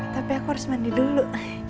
tapi aku harus mandi dulu